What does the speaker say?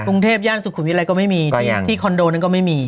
กรุงเทพย่านสุขุมวิรัยก็ไม่มีที่คอนโดนั้นก็ไม่มี